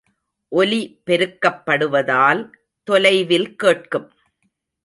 ஒலி பெருக்கப்படுவதால் தொலைவில் கேட்கும்.